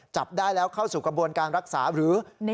จับได้แล้วเข้าสู่กระบวนการรักษาหรือ